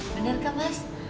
bener kan mas